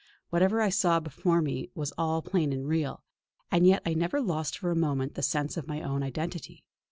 Whatever I saw before me was all plain and real; and yet I never lost for a moment the sense of my own identity.